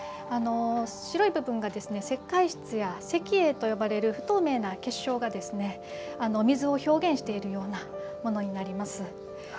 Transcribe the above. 白い部分が石灰質や石英と呼ばれる不透明の結晶が水を表現しているものになります。